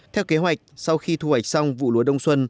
theo kế hoạch sau khi thu hoạch xong vụ lúa đông xuân